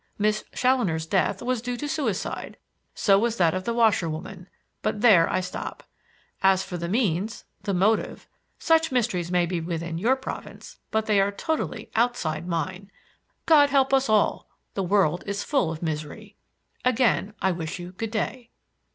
Miss Challoner's death was due to suicide; so was that of the washerwoman. But there I stop. As for the means the motive such mysteries may be within your province but they are totally outside mine! God help us all! The world is full of misery. Again I wish you good day."